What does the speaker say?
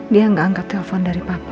dia gak angkat telepon dari papa